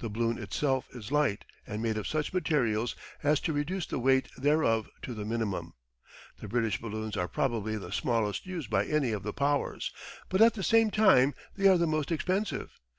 The balloon itself is light, and made of such materials as to reduce the weight thereof to the minimum. The British balloons are probably the smallest used by any of the Powers, but at the same time they are the most expensive.